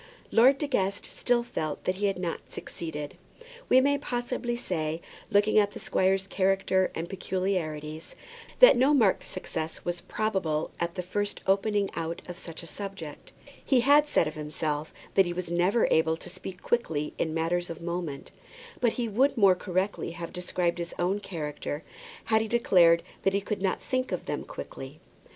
Lord De Guest still felt that he had not succeeded. We may probably say, looking at the squire's character and peculiarities, that no marked success was probable at the first opening out of such a subject. He had said of himself that he was never able to speak quickly in matters of moment; but he would more correctly have described his own character had he declared that he could not think of them quickly.